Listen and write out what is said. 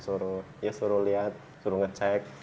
suruh ya suruh lihat suruh ngecek